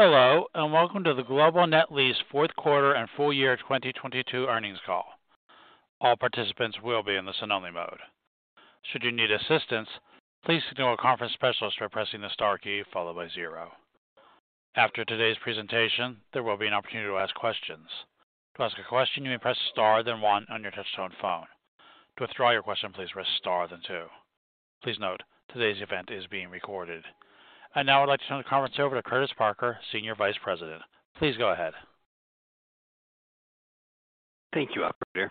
Hello, welcome to the Global Net Lease fourth quarter and full year 2022 earnings call. All participants will be in the listen-only mode. Should you need assistance, please signal a conference specialist by pressing the star key followed by 0. After today's presentation, there will be an opportunity to ask questions. To ask a question, you may press star then 1 on your touch tone phone. To withdraw your question, please press star then 2. Please note, today's event is being recorded. Now I'd like to turn the conference over to Curtis Parker, Senior Vice President. Please go ahead. Thank you, operator.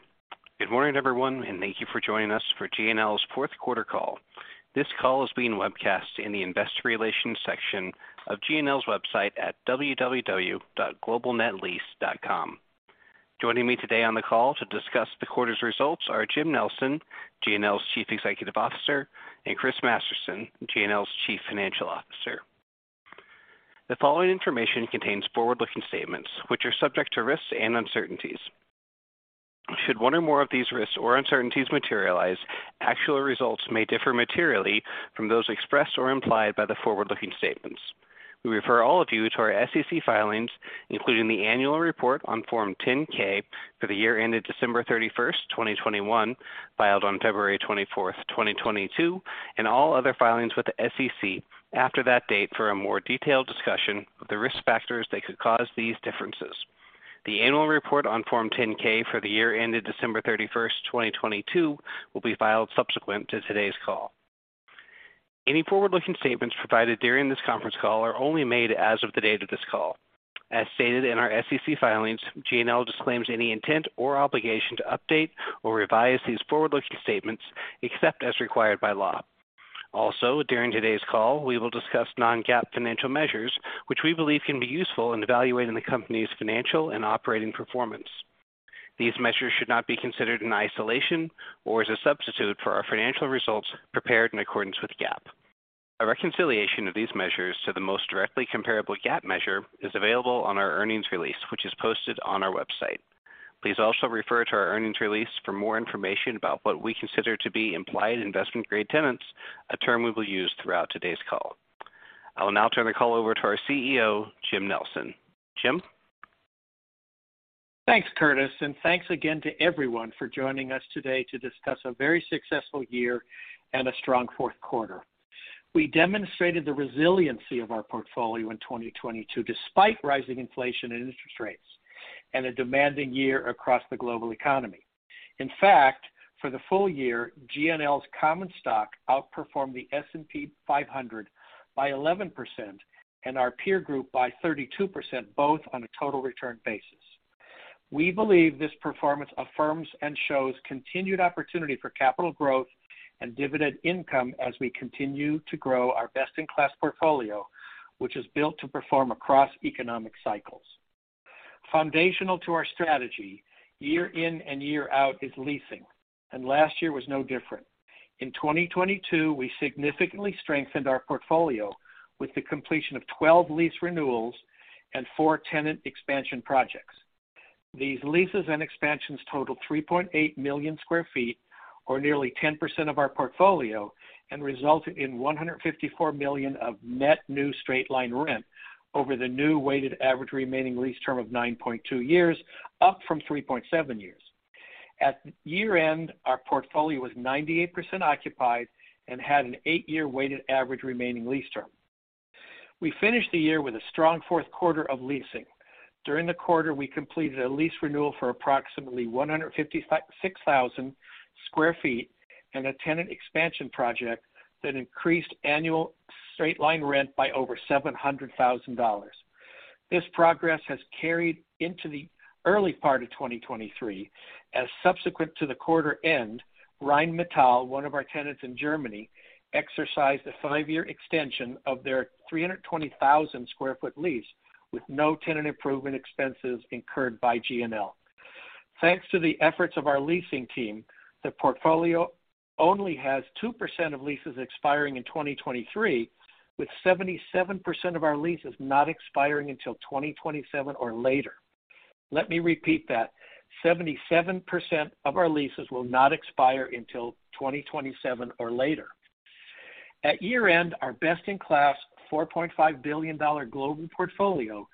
Good morning, everyone, and thank you for joining us for GNL's fourth quarter call. This call is being webcast in the investor relations section of GNL's website at www.globalnetlease.com. Joining me today on the call to discuss the quarter's results are Jim Nelson, GNL's Chief Executive Officer, and Chris Masterson, GNL's Chief Financial Officer. The following information contains forward-looking statements which are subject to risks and uncertainties. Should one or more of these risks or uncertainties materialize, actual results may differ materially from those expressed or implied by the forward-looking statements. We refer all of you to our SEC filings, including the annual report on Form 10-K for the year ended December 31, 2021, filed on February 24, 2022, and all other filings with the SEC after that date for a more detailed discussion of the risk factors that could cause these differences. The annual report on Form 10-K for the year ended December 31st, 2022, will be filed subsequent to today's call. Any forward-looking statements provided during this conference call are only made as of the date of this call. As stated in our SEC filings, GNL disclaims any intent or obligation to update or revise these forward-looking statements except as required by law. Also, during today's call, we will discuss non-GAAP financial measures, which we believe can be useful in evaluating the company's financial and operating performance. These measures should not be considered in isolation or as a substitute for our financial results prepared in accordance with GAAP. A reconciliation of these measures to the most directly comparable GAAP measure is available on our earnings release, which is posted on our website. Please also refer to our earnings release for more information about what we consider to be implied investment-grade tenants, a term we will use throughout today's call. I will now turn the call over to our CEO, Jim Nelson. Jim. Thanks, Curtis, thanks again to everyone for joining us today to discuss a very successful year and a strong fourth quarter. We demonstrated the resiliency of our portfolio in 2022 despite rising inflation and interest rates and a demanding year across the global economy. In fact, for the full year, GNL's common stock outperformed the S&P 500 by 11% and our peer group by 32%, both on a total return basis. We believe this performance affirms and shows continued opportunity for capital growth and dividend income as we continue to grow our best-in-class portfolio, which is built to perform across economic cycles. Foundational to our strategy year in and year out is leasing, last year was no different. In 2022, we significantly strengthened our portfolio with the completion of 12 lease renewals and 4 tenant expansion projects. These leases and expansions totaled 3.8 million sq ft or nearly 10% of our portfolio and resulted in $154 million of net new straight-line rent over the new weighted average remaining lease term of 9.2 years, up from 3.7 years. At year-end, our portfolio was 98% occupied and had an eight-year weighted average remaining lease term. We finished the year with a strong fourth quarter of leasing. During the quarter, we completed a lease renewal for approximately 156,000 sq ft and a tenant expansion project that increased annual straight-line rent by over $700,000. This progress has carried into the early part of 2023 as subsequent to the quarter end, Rheinmetall, one of our tenants in Germany, exercised a 5-year extension of their 320,000 sq ft lease with no tenant improvement expenses incurred by GNL. Thanks to the efforts of our leasing team, the portfolio only has 2% of leases expiring in 2023, with 77% of our leases not expiring until 2027 or later. Let me repeat that. 77% of our leases will not expire until 2027 or later. At year-end, our best in class, $4.5 billion global portfolio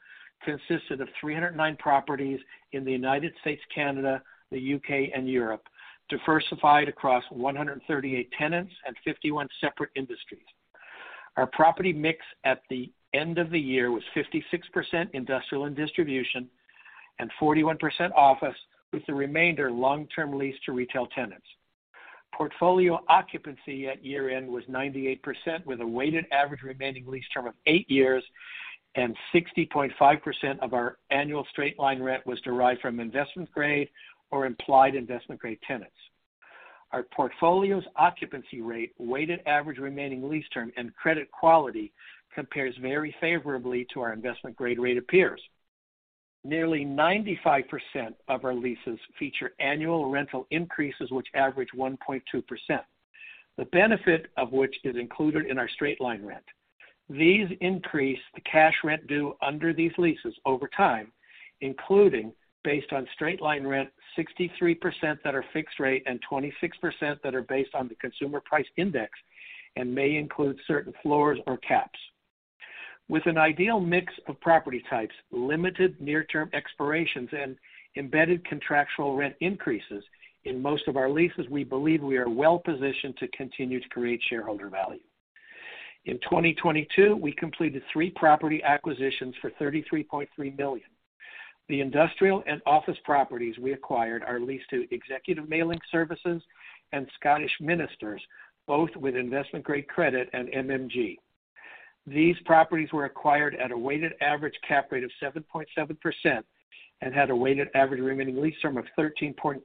consisted of 309 properties in the United States, Canada, the U.K, and Europe, diversified across 138 tenants and 51 separate industries. Our property mix at the end of the year was 56% industrial and distribution and 41% office, with the remainder long-term lease to retail tenants. Portfolio occupancy at year-end was 98% with a weighted average remaining lease term of 8 years and 60.5% of our annual straight-line rent was derived from investment-grade or implied investment-grade tenants. Our portfolio's occupancy rate, weighted average remaining lease term, and credit quality compares very favorably to our investment-grade rate appears. Nearly 95% of our leases feature annual rental increases, which average 1.2%. The benefit of which is included in our straight-line rent. These increase the cash rent due under these leases over time, including based on straight-line rent, 63% that are fixed rate and 26% that are based on the Consumer Price Index. May include certain floors or caps. With an ideal mix of property types, limited near term expirations, and embedded contractual rent increases in most of our leases, we believe we are well positioned to continue to create shareholder value. In 2022, we completed three property acquisitions for $33.3 million. The industrial and office properties we acquired are leased to Executive Mailing Services and The Scottish Ministers, both with investment-grade credit and MMG. These properties were acquired at a weighted average cap rate of 7.7% and had a weighted average remaining lease term of 13.6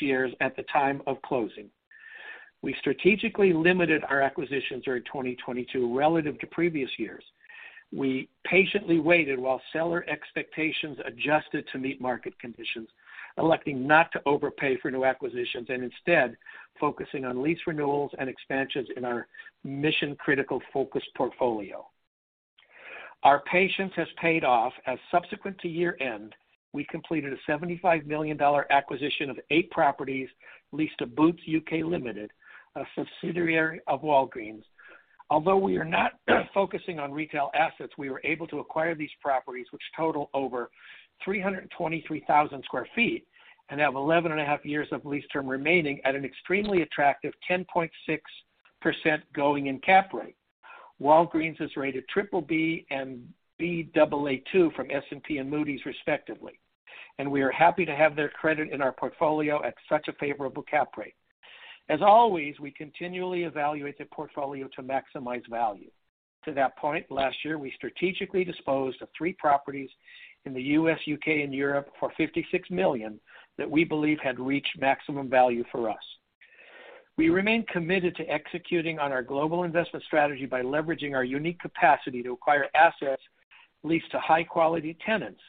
years at the time of closing. We strategically limited our acquisitions during 2022 relative to previous years. We patiently waited while seller expectations adjusted to meet market conditions, electing not to overpay for new acquisitions and instead focusing on lease renewals and expansions in our mission-critical focused portfolio. Our patience has paid off as subsequent to year-end, we completed a $75 million acquisition of eight properties leased to Boots U.K. Limited, a subsidiary of Walgreens. Although we are not focusing on retail assets, we were able to acquire these properties, which total over 323,000 sq ft and have 11 and a half years of lease term remaining at an extremely attractive 10.6 going in cap rate. Walgreens is rated BBB and Baa2 from S&P and Moody's respectively. We are happy to have their credit in our portfolio at such a favorable cap rate. As always, we continually evaluate the portfolio to maximize value. To that point, last year, we strategically disposed of three properties in the U.S, U.K, and Europe for $56 million that we believe had reached maximum value for us. We remain committed to executing on our global investment strategy by leveraging our unique capacity to acquire assets leased to high-quality tenants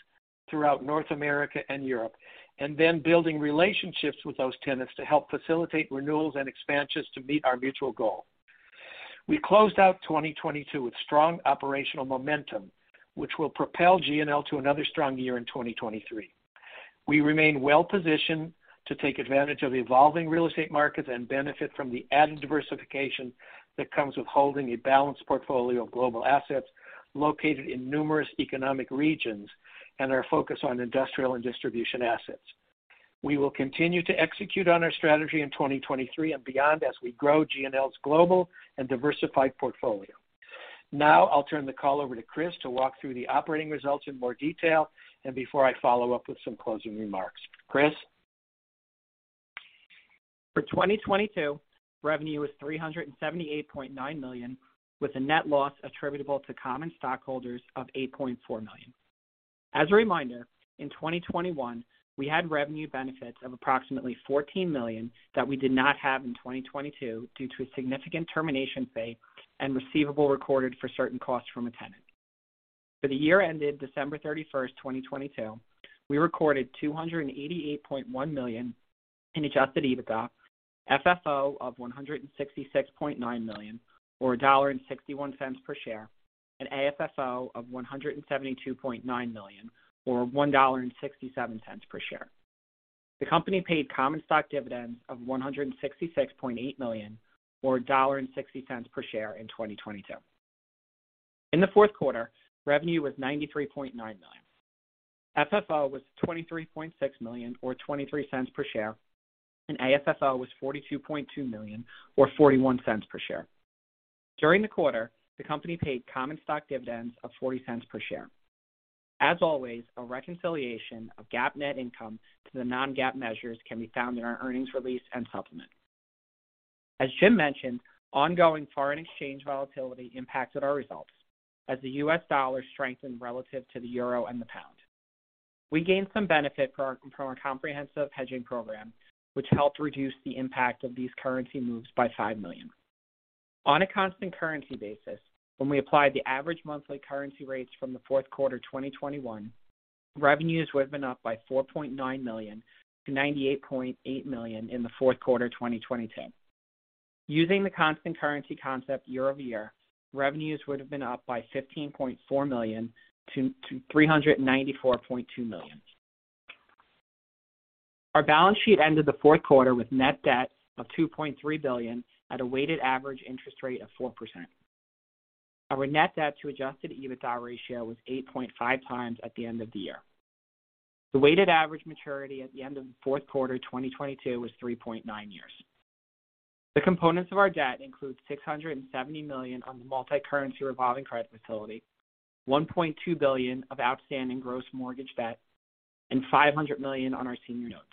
throughout North America and Europe, and then building relationships with those tenants to help facilitate renewals and expansions to meet our mutual goal. We closed out 2022 with strong operational momentum, which will propel GNL to another strong year in 2023. We remain well-positioned to take advantage of evolving real estate markets and benefit from the added diversification that comes with holding a balanced portfolio of global assets located in numerous economic regions and our focus on industrial and distribution assets. We will continue to execute on our strategy in 2023 and beyond as we grow GNL's global and diversified portfolio. I'll turn the call over to Chris to walk through the operating results in more detail and before I follow up with some closing remarks. Chris. For 2022, revenue was $378.9 million, with a net loss attributable to common stockholders of $8.4 million. As a reminder, in 2021, we had revenue benefits of approximately $14 million that we did not have in 2022 due to a significant termination fee and receivable recorded for certain costs from a tenant. For the year ended December thirty-first, 2022, we recorded $288.1 million in Adjusted EBITDA, FFO of $166.9 million or $1.61 per share, and AFFO of $172.9 million or $1.67 per share. The company paid common stock dividends of $166.8 million or $1.60 per share in 2022. In the fourth quarter, revenue was $93.9 million. FFO was $23.6 million or $0.23 per share, and AFFO was $42.2 million or $0.41 per share. During the quarter, the company paid common stock dividends of $0.40 per share. As always, a reconciliation of GAAP net income to the non-GAAP measures can be found in our earnings release and supplement. As Jim mentioned, ongoing foreign exchange volatility impacted our results as the U.S. dollar strengthened relative to the euro and the pound. We gained some benefit from our comprehensive hedging program, which helped reduce the impact of these currency moves by $5 million. On a constant currency basis, when we applied the average monthly currency rates from the fourth quarter 2021, revenues would have been up by $4.9 million-$98.8 million in the fourth quarter 2022. Using the constant currency concept year-over-year, revenues would have been up by $15.4 million-$394.2 million. Our balance sheet ended the fourth quarter with net debt of $2.3 billion at a weighted average interest rate of 4%. Our Net Debt to Adjusted EBITDA ratio was 8.5x at the end of the year. The weighted average maturity at the end of the fourth quarter 2022 was 3.9 years. The components of our debt include $670 million on the multicurrency revolving credit facility, $1.2 billion of outstanding gross mortgage debt, and $500 million on our senior notes.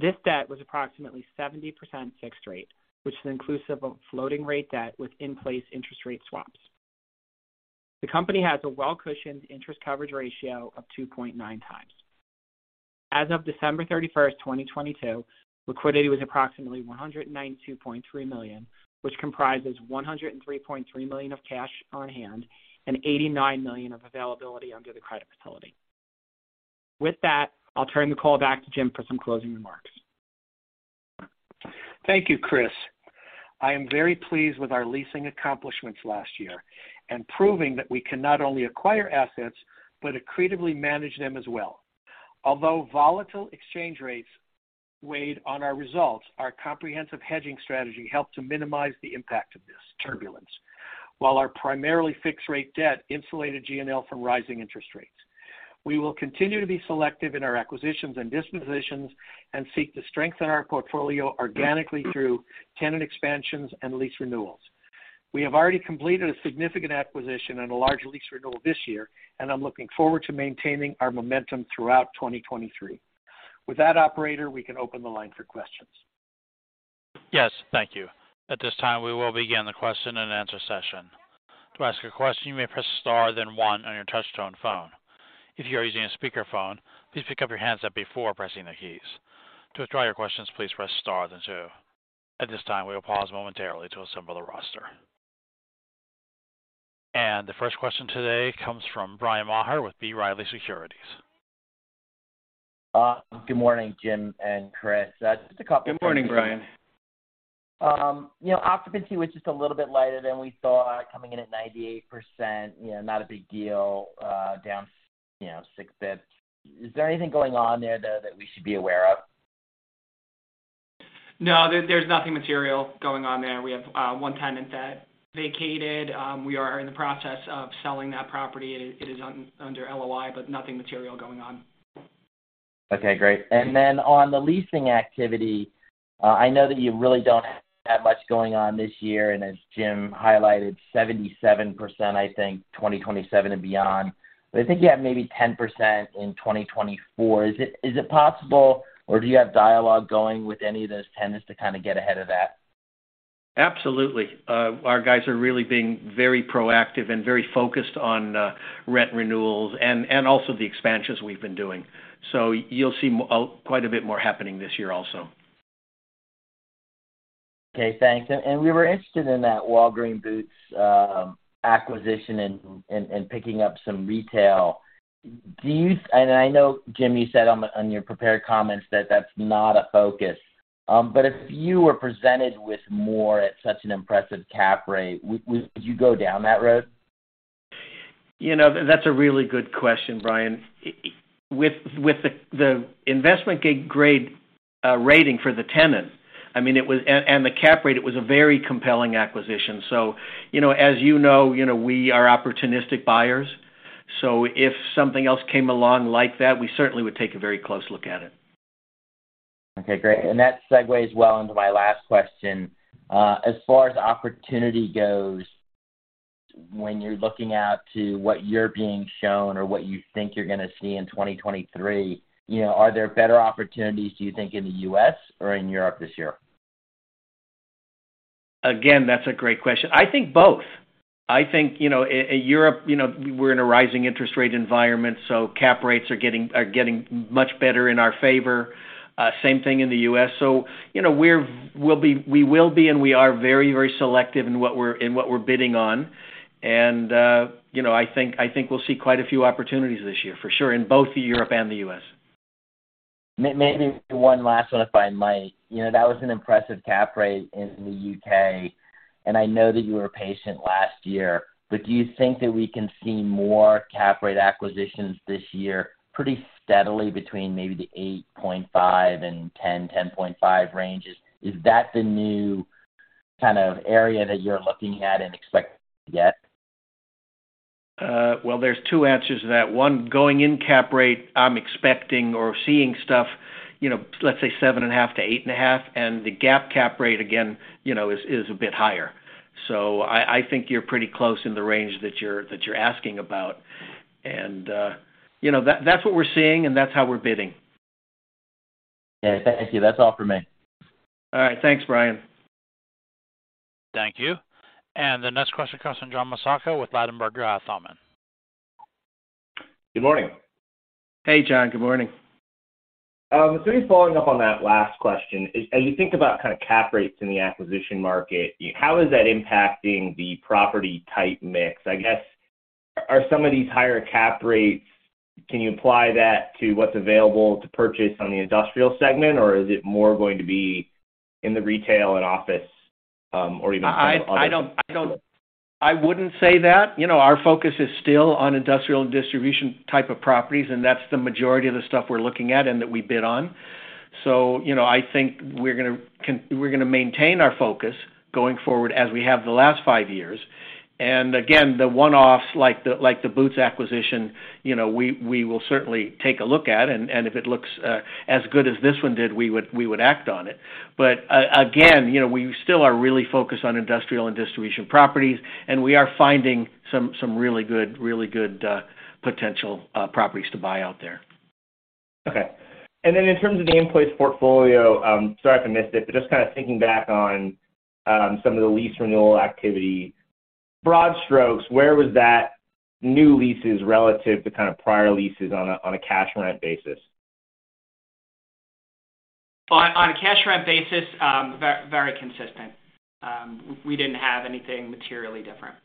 This debt was approximately 70% fixed rate, which is inclusive of floating rate debt with in-place interest rate swaps. The company has a well-cushioned Interest Coverage Ratio of 2.9x. As of December 31, 2022, liquidity was approximately $192.3 million, which comprises $103.3 million of cash on hand and $89 million of availability under the credit facility. With that, I'll turn the call back to Jim for some closing remarks. Thank you, Chris. I am very pleased with our leasing accomplishments last year and proving that we can not only acquire assets but creatively manage them as well. Although volatile exchange rates weighed on our results, our comprehensive hedging strategy helped to minimize the impact of this turbulence. While our primarily fixed rate debt insulated GNL from rising interest rates. We will continue to be selective in our acquisitions and dispositions and seek to strengthen our portfolio organically through tenant expansions and lease renewals. We have already completed a significant acquisition and a large lease renewal this year, and I'm looking forward to maintaining our momentum throughout 2023. With that, operator, we can open the line for questions. Yes. Thank you. At this time, we will begin the question and answer session. To ask a question, you may press star then one on your touchtone phone. If you're using a speaker phone, please pick up your handset before pressing the keys. To withdraw your questions, please press star then two. At this time, we will pause momentarily to assemble the roster. The first question today comes from Bryan Maher with B. Riley Securities. Good morning, Jim and Chris. Just a couple- Good morning, Bryan. you know, occupancy was just a little bit lighter than we thought, coming in at 98%, you know, not a big deal, down, you know, 6 bits. Is there anything going on there though that we should be aware of? No, there's nothing material going on there. We have one tenant that vacated. We are in the process of selling that property. It is under LOI, but nothing material going on. Okay, great. On the leasing activity, I know that you really don't have that much going on this year, and as Jim highlighted, 77%, I think 2027 and beyond. I think you have maybe 10% in 2024. Is it possible, or do you have dialogue going with any of those tenants to kind of get ahead of that? Absolutely. Our guys are really being very proactive and very focused on, rent renewals and also the expansions we've been doing. You'll see quite a bit more happening this year also. Okay, thanks. We were interested in that Walgreens Boots acquisition and picking up some retail. I know, Jim, you said on your prepared comments that that's not a focus. If you were presented with more at such an impressive cap rate, would you go down that road? You know, that's a really good question, Bryan. With the investment-grade rating for the tenant, I mean, it was and the cap rate, it was a very compelling acquisition. You know, as you know, you know, we are opportunistic buyers. If something else came along like that, we certainly would take a very close look at it. Okay, great. That segues well into my last question. As far as opportunity goes, when you're looking out to what you're being shown or what you think you're gonna see in 2023, you know, are there better opportunities, do you think, in the U.S. or in Europe this year? That's a great question. I think both. I think, you know, in Europe, you know, we're in a rising interest rate environment, cap rates are getting much better in our favor. Same thing in the U.S. You know, we will be and we are very selective in what we're bidding on. You know, I think we'll see quite a few opportunities this year, for sure, in both Europe and the U.S. Maybe one last one, if I might. You know, that was an impressive cap rate in the U.K. I know that you were patient last year. Do you think that we can see more cap rate acquisitions this year pretty steadily between maybe the 8.5% and 10%-10.5% ranges? Is that the new kind of area that you're looking at and expect yet? Well, there's two answers to that. One, going in cap rate, I'm expecting or seeing stuff, you know, let's say 7.5-8.5, and the GAAP cap rate again, you know, is a bit higher. I think you're pretty close in the range that you're asking about. You know, that's what we're seeing, and that's how we're bidding. Okay, thank you. That's all for me. All right. Thanks, Bryan. Thank you. The next question comes from John Massocca with Ladenburg Thalmann. Good morning. Hey, John. Good morning. Just following up on that last question. As you think about kind of cap rates in the acquisition market, how is that impacting the property type mix? I guess, are some of these higher cap rates, can you apply that to what's available to purchase on the industrial segment, or is it more going to be in the retail and office, or even... I wouldn't say that. You know, our focus is still on industrial and distribution type of properties, and that's the majority of the stuff we're looking at and that we bid on. You know, I think we're gonna maintain our focus going forward as we have the last five years. Again, the one-offs like the Boots acquisition, you know, we will certainly take a look at, and if it looks as good as this one did, we would act on it. Again, you know, we still are really focused on industrial and distribution properties, and we are finding some really good potential properties to buy out there. In terms of the in-place portfolio, sorry if I missed it, but just kind of thinking back on some of the lease renewal activity. Broad strokes, where was that new leases relative to kind of prior leases on a cash rent basis? On a cash rent basis, very consistent. We didn't have anything materially different.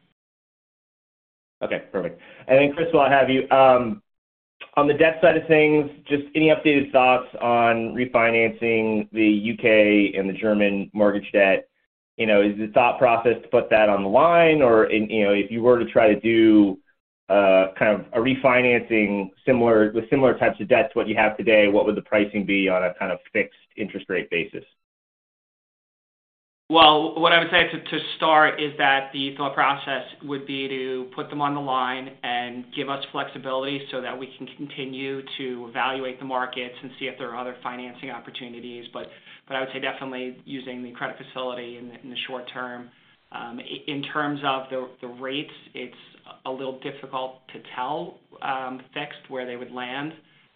Okay, perfect. Then Chris, while I have you, on the debt side of things, just any updated thoughts on refinancing the U.K. and the German mortgage debt? You know, is the thought process to put that on the line? Or, you know, if you were to try to do, kind of a refinancing with similar types of debt to what you have today, what would the pricing be on a kind of fixed interest rate basis? Well, what I would say to start is that the thought process would be to put them on the line and give us flexibility so that we can continue to evaluate the markets and see if there are other financing opportunities. I would say definitely using the credit facility in the short term. In terms of the rates, it's a little difficult to tell, fixed where they would land.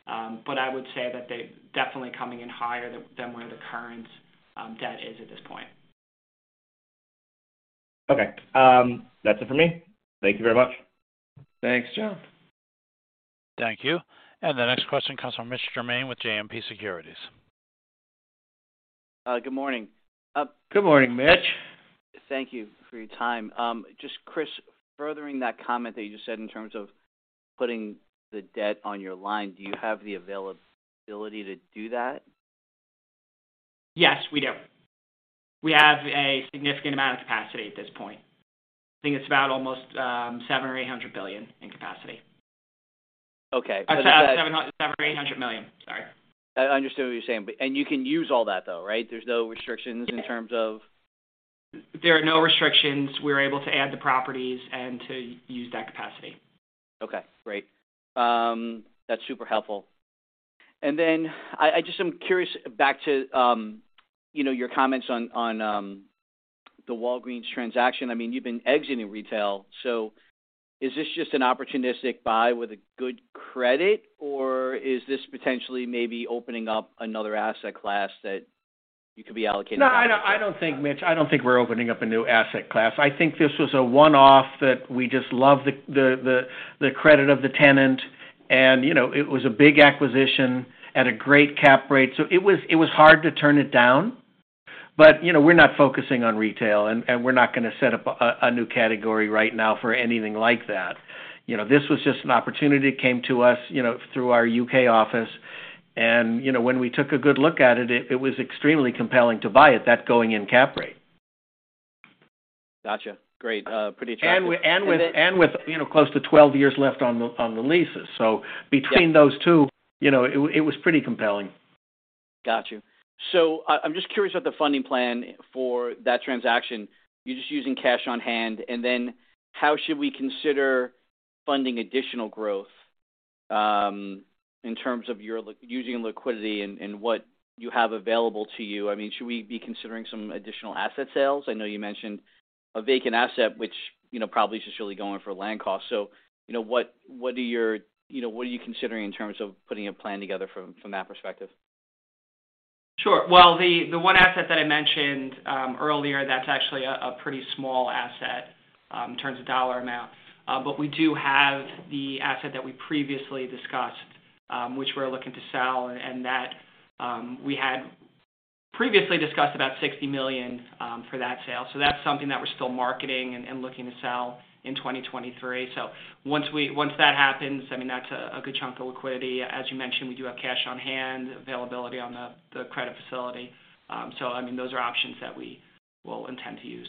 I would say that they're definitely coming in higher than where the current debt is at this point. Okay. That's it for me. Thank you very much. Thanks, John. Thank you. The next question comes from Mitch Germain with JMP Securities. Good morning. Good morning, Mitch. Thank you for your time. Just Chris, furthering that comment that you just said in terms of putting the debt on your line, do you have the availability to do that? Yes, we do. We have a significant amount of capacity at this point. I think it's about almost, $700 billion or $800 billion in capacity. Okay. I'm sorry, $700 million or $800 million. Sorry. I understood what you're saying. You can use all that, though, right? There's no restrictions in terms of... There are no restrictions. We're able to add the properties and to use that capacity. Okay, great. That's super helpful. I just am curious back to, you know, your comments on, the Walgreens transaction. I mean, you've been exiting retail, so is this just an opportunistic buy with a good credit or is this potentially maybe opening up another asset class that you could be allocating capital? No, I don't think, Mitch, I don't think we're opening up a new asset class. I think this was a one-off that we just love the credit of the tenant and, you know, it was a big acquisition at a great cap rate. It was hard to turn it down. You know, we're not focusing on retail and we're not gonna set up a new category right now for anything like that. You know, this was just an opportunity. It came to us, you know, through our U.K. office. You know, when we took a good look at it was extremely compelling to buy it, that going in cap rate. Gotcha. Great. Pretty attractive. With, you know, close to 12 years left on the, on the leases. Between those two, you know, it was pretty compelling. Got you. I'm just curious about the funding plan for that transaction. You're just using cash on hand. How should we consider funding additional growth, in terms of your using liquidity and what you have available to you? I mean, should we be considering some additional asset sales? I know you mentioned a vacant asset, which, you know, probably is just really going for land cost. You know, what are you considering in terms of putting a plan together from that perspective? Sure. Well, the one asset that I mentioned earlier, that's actually a pretty small asset in terms of dollar amount. But we do have the asset that we previously discussed, which we're looking to sell, and that we had previously discussed about $60 million for that sale. That's something that we're still marketing and looking to sell in 2023. Once that happens, I mean, that's a good chunk of liquidity. As you mentioned, we do have cash on hand, availability on the credit facility. I mean, those are options that we will intend to use.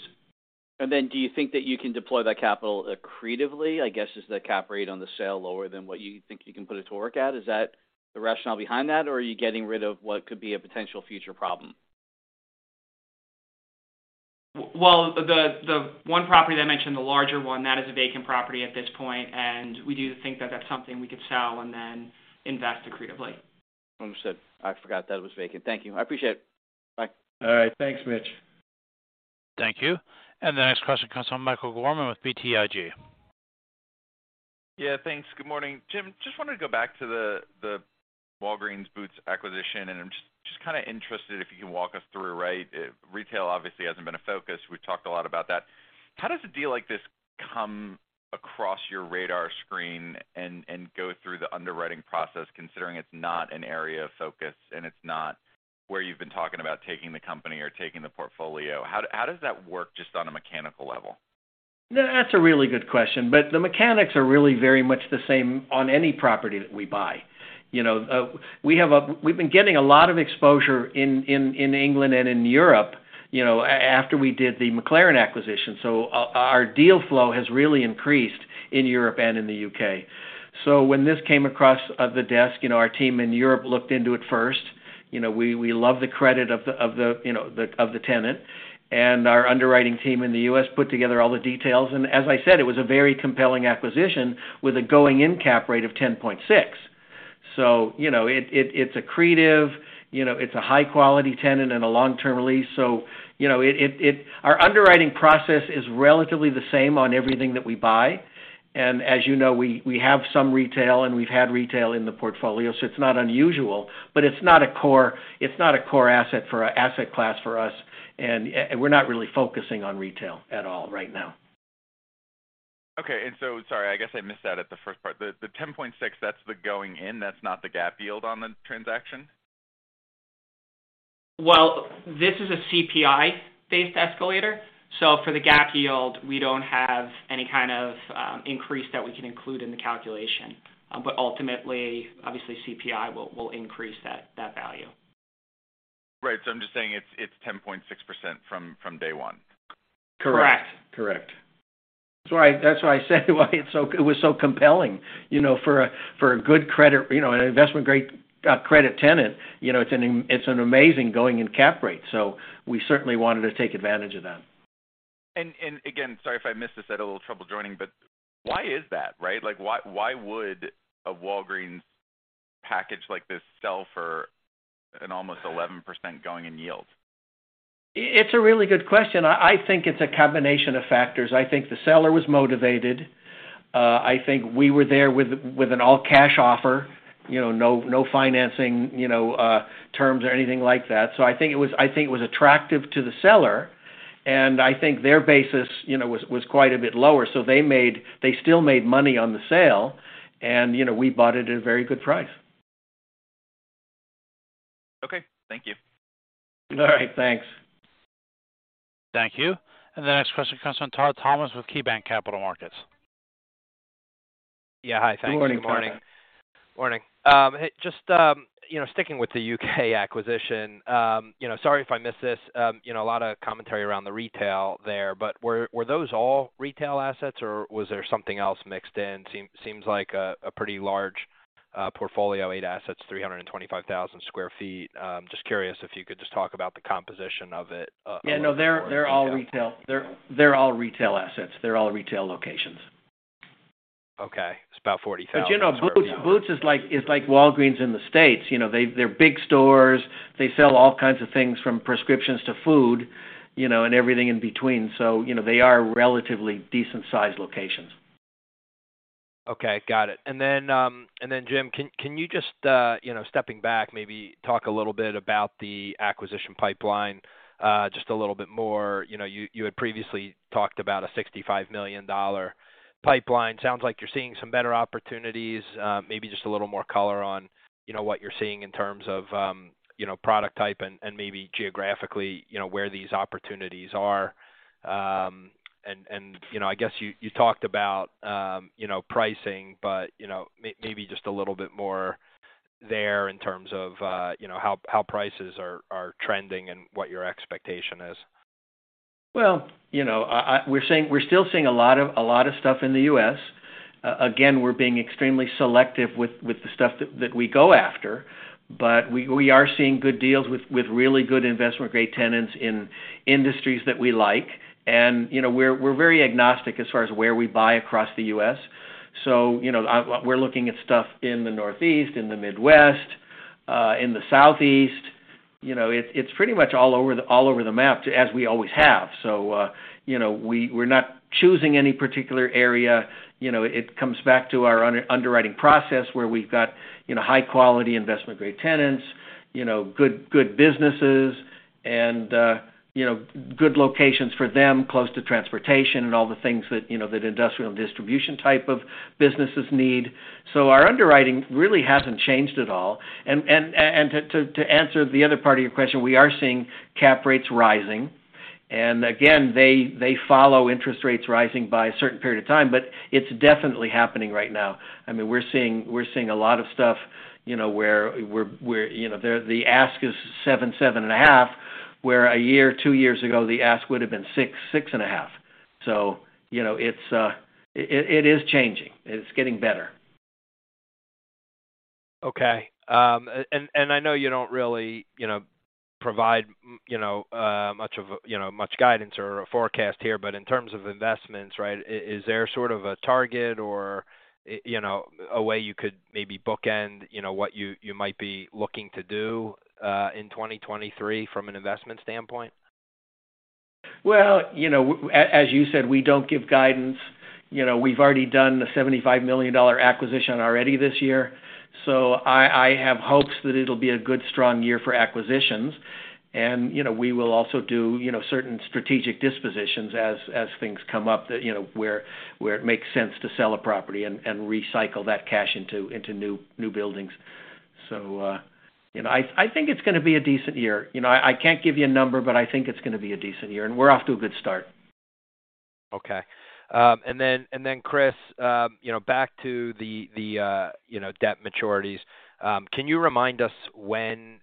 Do you think that you can deploy that capital accretively, I guess is the cap rate on the sale lower than what you think you can put it to work at? Is that the rationale behind that, or are you getting rid of what could be a potential future problem? Well, the one property that I mentioned, the larger one, that is a vacant property at this point, we do think that that's something we could sell and then invest accretively. Understood. I forgot that it was vacant. Thank you. I appreciate it. Bye. All right. Thanks, Mitch. Thank you. The next question comes from Michael Gorman with BTIG. Yeah, thanks. Good morning. Jim, just wanted to go back to the Walgreens Boots acquisition. I'm just kind of interested, if you can walk us through, right? Retail obviously hasn't been a focus. We've talked a lot about that. How does a deal like this come across your radar screen and go through the underwriting process, considering it's not an area of focus and it's not where you've been talking about taking the company or taking the portfolio? How does that work just on a mechanical level? That's a really good question. The mechanics are really very much the same on any property that we buy. You know, we've been getting a lot of exposure in England and in Europe, you know, after we did the McLaren acquisition. Our deal flow has really increased in Europe and in the U.K. When this came across the desk, you know, our team in Europe looked into it first. You know, we love the credit of the, you know, of the tenant. Our underwriting team in the U.S. put together all the details. As I said, it was a very compelling acquisition with a going-in cap rate of 10.6. you know, it's accretive, you know, it's a high-quality tenant and a long-term lease, so, you know, our underwriting process is relatively the same on everything that we buy. As you know, we have some retail and we've had retail in the portfolio, so it's not unusual, but it's not a core, it's not a core asset class for us. We're not really focusing on retail at all right now. Okay. Sorry, I guess I missed that at the first part. The 10.6%, that's the going in, that's not the GAAP yield on the transaction? This is a CPI-based escalator. So for the GAAP yield, we don't have any kind of, increase that we can include in the calculation. Ultimately, obviously CPI will increase that value. Right. I'm just saying it's 10.6% from day one. Correct. Correct. Correct. That's why I said why it was so compelling, you know, for a good credit, you know, an investment-grade credit tenant. You know, it's an amazing going-in cap rate. We certainly wanted to take advantage of that. Again, sorry if I missed this. Had a little trouble joining. Why is that, right? Like, why would a Walgreens package like this sell for an almost 11% going-in yield? It's a really good question. I think it's a combination of factors. I think the seller was motivated. I think we were there with an all-cash offer, you know, no financing, you know, terms or anything like that. I think it was attractive to the seller, and I think their basis, you know, was quite a bit lower. They still made money on the sale and, you know, we bought it at a very good price. Okay, thank you. All right, thanks. Thank you. The next question comes from Todd Thomas with KeyBanc Capital Markets. Yeah. Hi. Thank you. Good morning, Todd. Good morning. hey, just, you know, sticking with the U.K. acquisition, you know, sorry if I missed this. you know, a lot of commentary around the retail there, but were those all retail assets or was there something else mixed in? Seems like a pretty large portfolio, 8 assets, 325,000 sq ft. just curious if you could just talk about the composition of it? Yeah. No, they're all retail. They're all retail assets. They're all retail locations. Okay. It's about 45,000 sq ft. You know, Boots is like, it's like Walgreens in the States. You know, they're big stores. They sell all kinds of things from prescriptions to food, you know, and everything in between. You know, they are relatively decent-sized locations. Okay, got it. Jim, can you just, you know, stepping back, maybe talk a little bit about the acquisition pipeline, just a little bit more? You know, you had previously talked about a $65 million pipeline. Sounds like you're seeing some better opportunities. Maybe just a little more color on, you know, what you're seeing in terms of, you know, product type and maybe geographically, you know, where these opportunities are. You know, I guess you talked about, you know, pricing, but, you know, maybe just a little bit more there in terms of, you know, how prices are trending and what your expectation is. Well, you know, we're still seeing a lot of stuff in the U.S. Again, we're being extremely selective with the stuff that we go after. We are seeing good deals with really good investment-grade tenants in industries that we like. You know, we're very agnostic as far as where we buy across the U.S. You know, we're looking at stuff in the Northeast, in the Midwest, in the Southeast. You know, it's pretty much all over the map, as we always have. You know, we're not choosing any particular area. You know, it comes back to our underwriting process, where we've got, you know, high quality investment-grade tenants, you know, good businesses and, you know, good locations for them, close to transportation and all the things that, you know, that industrial distribution type of businesses need. Our underwriting really hasn't changed at all. To answer the other part of your question, we are seeing cap rates rising. Again, they follow interest rates rising by a certain period of time, but it's definitely happening right now. I mean, we're seeing a lot of stuff, you know, where we're. You know, the ask is 7.5, where a year, two years ago, the ask would have been 6.5. You know, it is changing. It's getting better. Okay. I know you don't really, you know, provide much of a, you know, much guidance or a forecast here, but in terms of investments, right, is there sort of a target or a way you could maybe bookend, you know, what you might be looking to do in 2023 from an investment standpoint? Well, you know, as you said, we don't give guidance. You know, we've already done the $75 million acquisition already this year. I have hopes that it'll be a good, strong year for acquisitions. You know, we will also do, you know, certain strategic dispositions as things come up, you know, where it makes sense to sell a property and recycle that cash into new buildings. You know, I think it's gonna be a decent year. You know, I can't give you a number, but I think it's gonna be a decent year, and we're off to a good start. Okay. Chris, you know, back to the debt maturities. Can you remind us when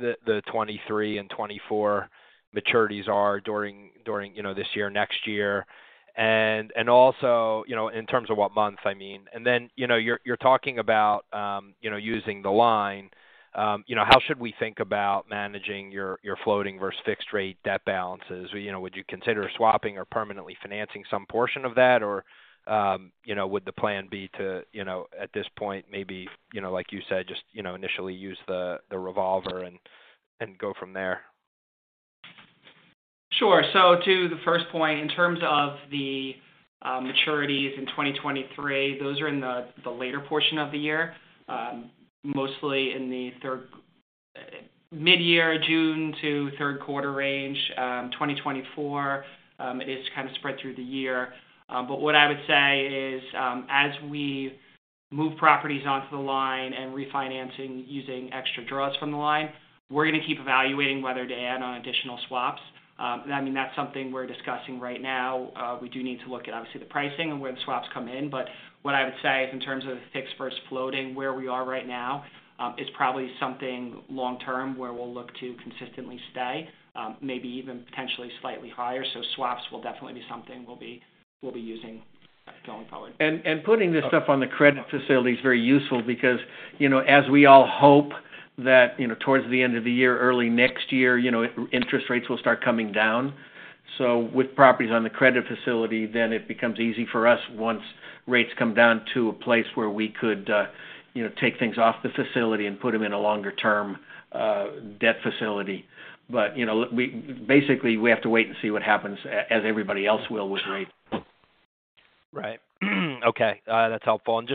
the 2023 and 2024 maturities are during, you know, this year, next year? Also, you know, in terms of what months, I mean. Then, you're talking about, you know, using the line. You know, how should we think about managing your floating versus fixed rate debt balances? You know, would you consider swapping or permanently financing some portion of that? Or, you know, would the plan be to, you know, at this point, maybe, you know, like you said, just, you know, initially use the revolver and go from there? Sure. To the first point, in terms of the maturities in 2023, those are in the later portion of the year, mostly in the mid-year, June to third quarter range. 2024 is kind of spread through the year. What I would say is, as we move properties onto the line and refinancing using extra draws from the line, we're gonna keep evaluating whether to add on additional swaps. I mean, that's something we're discussing right now. We do need to look at, obviously, the pricing and where the swaps come in. What I would say is, in terms of fixed versus floating, where we are right now, is probably something long term, where we'll look to consistently stay, maybe even potentially slightly higher. Swaps will definitely be something we'll be using going forward. Putting this stuff on the credit facility is very useful because, you know, as we all hope that, you know, towards the end of the year, early next year, you know, interest rates will start coming down. With properties on the credit facility, then it becomes easy for us once rates come down to a place where we could, you know, take things off the facility and put them in a longer term debt facility. You know, basically, we have to wait and see what happens as everybody else will with rates. Right. Okay, that's helpful. Then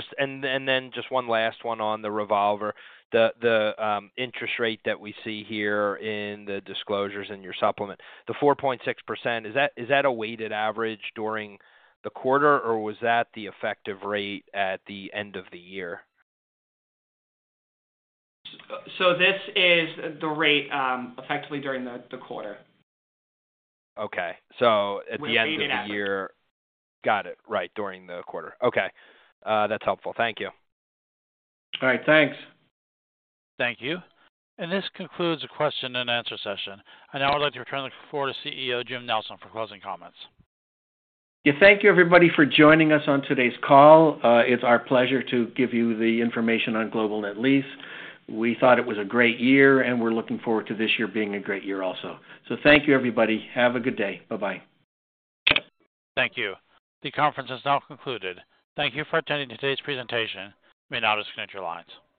just one last one on the revolver. The interest rate that we see here in the disclosures in your supplement, the 4.6%, is that a weighted average during the quarter, or was that the effective rate at the end of the year? This is the rate, effectively during the quarter. Okay. At the end of the year- Weighted average. Got it. Right. During the quarter. Okay. That's helpful. Thank you. All right. Thanks. Thank you. And this concludes the question and answer session. I now would like to turn the floor to CEO Jim Nelson for closing comments. Yeah. Thank you, everybody, for joining us on today's call. It's our pleasure to give you the information on Global Net Lease. We thought it was a great year, and we're looking forward to this year being a great year also. Thank you, everybody. Have a good day. Bye-bye. Thank you. The conference has now concluded. Thank you for attending today's presentation. You may now disconnect your lines.